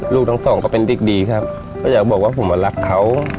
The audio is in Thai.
ลูกทั้งสองก็เป็นเด็กดีครับก็อยากบอกว่าผมมารักเขา